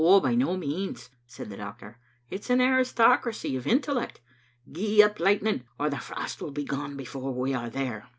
"By no means," said the doctor, "it's an aristocracy of intellect. Gee up, Lightning, or the frost will be gone before we are there.